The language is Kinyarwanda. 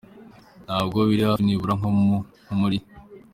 Ntabwo biri hafi, nibura nko muri ”.